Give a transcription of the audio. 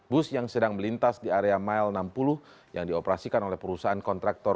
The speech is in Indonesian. bus yang sedang melintas di area mile enam puluh yang dioperasikan oleh perusahaan kontraktor